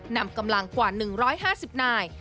นำกำลังกว่า๑๕๐นาย